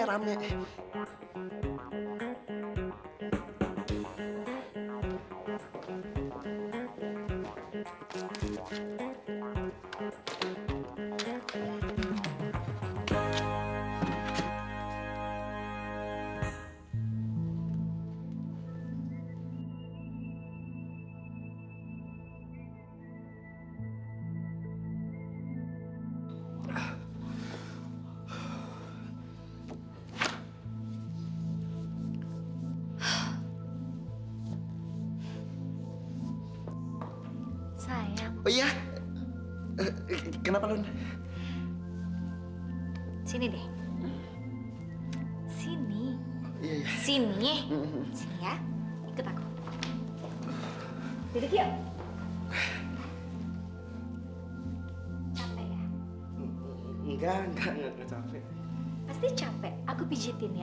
sampai jumpa lagi